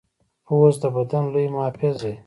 پوست د بدن لوی محافظ دی.